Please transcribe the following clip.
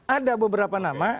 ada beberapa nama